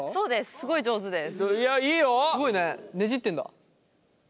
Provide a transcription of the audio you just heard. すごい上手です。